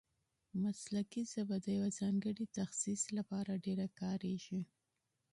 مسلکي ژبه د یوه ځانګړي تخصص له پاره ډېره کاریږي.